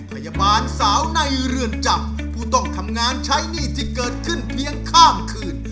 พยาบาลสาวในเรือนจำผู้ต้องทำงานใช้หนี้ที่เกิดขึ้นเพียงข้ามคืน